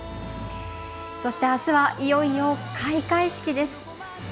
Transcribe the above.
そして、あすはいよいよ開会式です。